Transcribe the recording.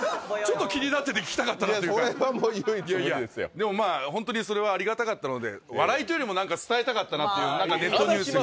でもまぁホントにそれはありがたかったので笑いというよりも何か伝えたかったなっていうネットニュースに。